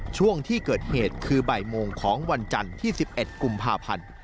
ช่วงที่เกิดเหตุคือบ่ายโมงของวันจันทร์ที่๑๑กุมภาพันธ์